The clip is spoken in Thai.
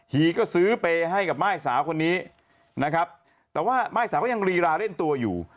ีก็ซื้อไปให้กับม่ายสาวคนนี้นะครับแต่ว่าม่ายสาวก็ยังรีราเล่นตัวอยู่